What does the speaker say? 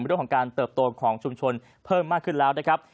เรื่องของการเติบโตของชุมชนเพิ่มมากขึ้นแล้วนะครับ